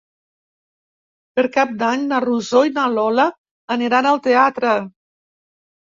Per Cap d'Any na Rosó i na Lola aniran al teatre.